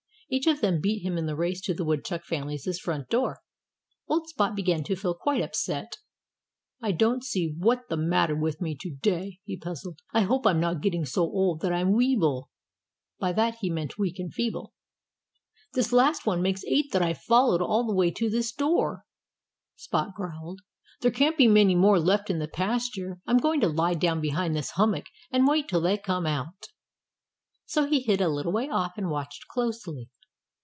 Each of them beat him in the race to the Woodchuck family's front door. Old Spot began to feel quite upset. "I don't see what the matter with me to day," he puzzled. "I hope I'm not getting so old that I'm weeble." (By that he meant weak and feeble.) "This last one makes eight that I've followed all the way to this door," Spot growled. "There can't be many more left in the pasture. I'm going to lie down behind this hummock and wait till they come out." So he hid a little way off and watched closely.